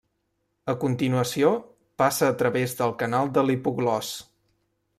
A continuació, passa a través del canal de l'hipoglòs.